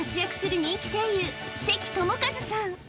人気声優関智一さん